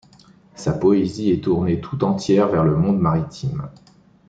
Sa poésie est tournée tout entière vers le monde maritime.